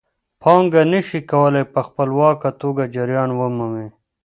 پانګه نشي کولای په خپلواکه توګه جریان ومومي